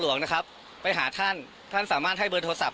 หลวงนะครับไปหาท่านท่านสามารถให้เบอร์โทรศัพ